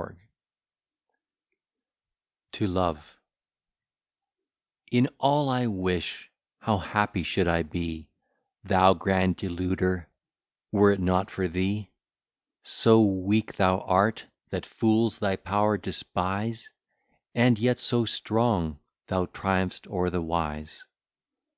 B._] TO LOVE In all I wish, how happy should I be, Thou grand Deluder, were it not for thee! So weak thou art, that fools thy power despise; And yet so strong, thou triumph'st o'er the wise.